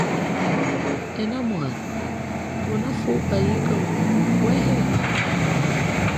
Enamwana, unafupa yika ngukwehe?